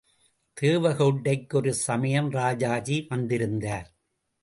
தேவகோட்டைக்கு ஒரு சமயம் ராஜாஜி வந்திருந்தார்.